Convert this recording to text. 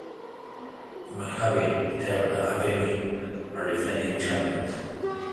Maccabi Tel Aviv are the defending champions.